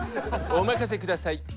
お任せください。